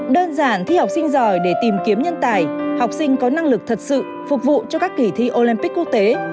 đơn giản thi học sinh giỏi để tìm kiếm nhân tài học sinh có năng lực thật sự phục vụ cho các kỳ thi olympic quốc tế